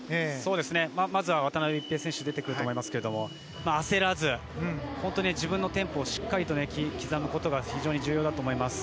まずは渡辺一平選手が出てくると思いますけど焦らず、自分のテンポをしっかり刻むことが非常に重要だと思います。